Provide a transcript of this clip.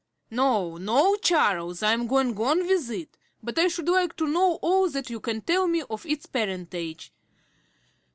No, no, Charles, I'm going on with it, but I should like to know all that you can tell me of its parentage.